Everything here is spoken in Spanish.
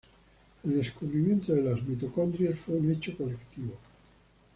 El descubrimiento de las mitocondrias fue un hecho colectivo.